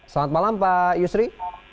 selamat malam pak yusri